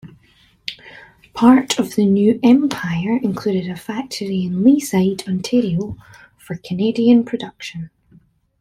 Part of the new empire included a factory in Leaside, Ontario, for Canadian production.